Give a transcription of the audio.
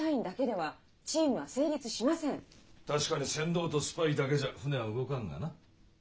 確かに船頭とスパイだけじゃ舟は動かんがな。